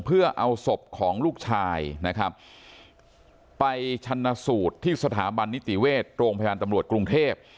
เพื่อเอาศพของลูกชายนะครับไปชันสูตรที่สถาบันนิติเวชโรงพยาบาลตำรวจกรุงเทพ